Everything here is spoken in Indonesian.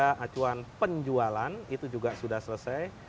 ada acuan penjualan itu juga sudah selesai